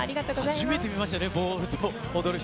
初めて見ましたよね、ボールと踊る人。